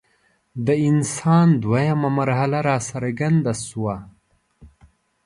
د انسان دویمه مرحله راڅرګنده شوه.